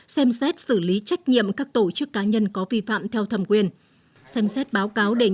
xem xét xử lý trách nhiệm các tổ chức cá nhân có vi phạm theo thẩm quyền